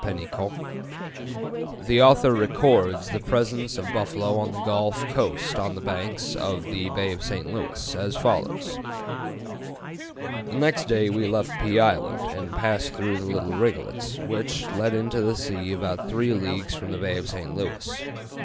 Penicaut" (1698), the author records the presence of the buffalo on the Gulf coast on the banks of the Bay St. Louis, as follows: "The next day we left Pea Island, and passed through the Little Rigolets, which led into the sea about three leagues from the Bay of St. Louis.